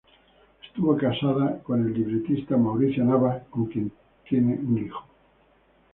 Estuvo casada con el libretista Mauricio Navas, con quien tiene un hijo.